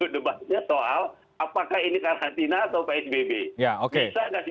debatnya soal apakah ini karantina atau psbb